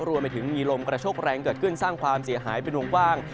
รวมไปถึงมีลมกระโชคแรงเกิดขึ้นสร้างความเสียหายเป็นวงกว้าง